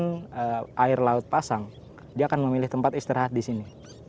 kalau misalkan air laut pasang dia akan memilih tempat istirahat di sini